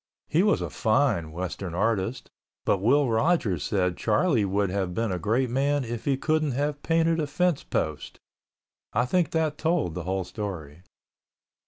He was a fine Western artist, but Will Rogers said Charlie would have been a great man if he couldn't have painted a fence post. I thing that told the whole story.